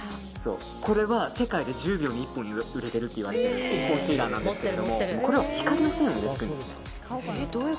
これは世界で１０秒に１本売れてるといわれているコンシーラーなんですけどこれは光の線を入れていくんですね。